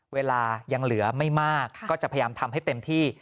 เวลายังเหลือไม่มากก็จะพยายามทำให้เต็มที่